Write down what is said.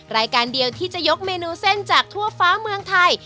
รายการเดียวที่จะยกเมนูเส้นจากทั่วฟ้าเมืองไทย